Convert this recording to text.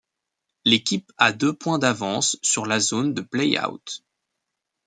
L'équipe a deux points d'avance sur la zone de play-out.